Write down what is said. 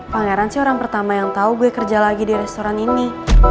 pangeran sih orang pertama yang tahu gue kerja lagi di restoran ini